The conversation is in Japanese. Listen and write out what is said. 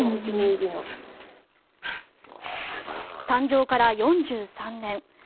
誕生から４３年。